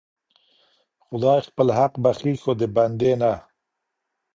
خدای خپل حق بخښي خو د بندې نه.